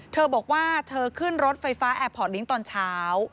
เธอบอกว่าเธอขึ้นรถไฟฟ้าแอร์พอร์ตลิงค์ตอนเช้า